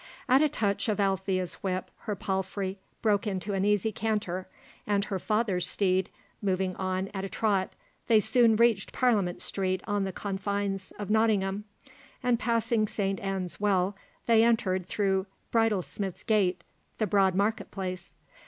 At a touch of Alethea's whip, her palfrey broke into an easy canter, and her father's steed moving on at a trot, they soon reached Parliament Street on the confines of Nottingham, and passing Saint Anne's Well, they entered through Bridlesmith's Gate the broad market place.